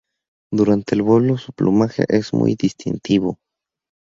Durante el vuelo su plumaje es muy distintivo.